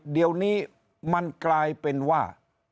เดี๋ยวนี้มันกลายเป็นว่า